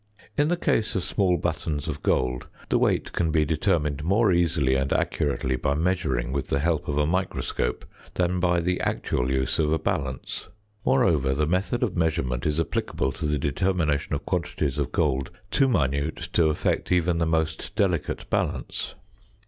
In the case of small buttons of gold the weight can be determined more easily and accurately by measuring with the help of a microscope than by the actual use of a balance. Moreover, the method of measurement is applicable to the determination of quantities of gold too minute to affect even the most delicate balance.